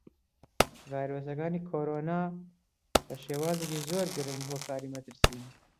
ڤایرۆسەکانی کۆڕۆنا بەشێوازێکی زۆر گرینگ هۆکاری مەترسین.